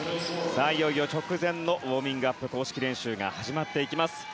いよいよ直前のウォームアップ公式練習が始まります。